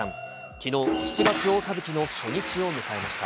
きのう『七月大歌舞伎』の初日を迎えました。